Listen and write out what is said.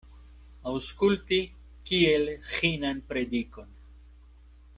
Aŭskulti kiel ĥinan predikon.